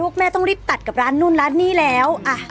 แม่ต้องรีบตัดกับร้านนู่นร้านนี้แล้ว